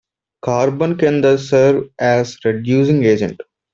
Carbon can thus serve as reducing agent.